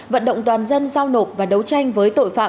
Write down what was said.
vận động toàn dân giao nộp và đấu tranh với tội phạm